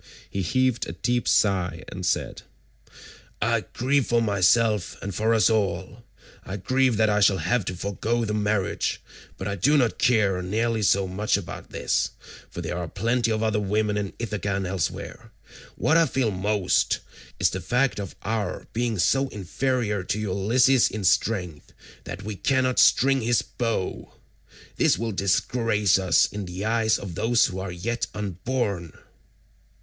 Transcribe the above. He heaved a deep sigh and said, "I grieve for myself and for us all; I grieve that I shall have to forgo the marriage, but I do not care nearly so much about this, for there are plenty of other women in Ithaca and elsewhere; what I feel most is the fact of our being so inferior to Ulysses in strength that we cannot string his bow. This will disgrace us in the eyes of those who are yet unborn."